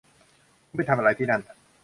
คุณไปทำอะไรที่นั่น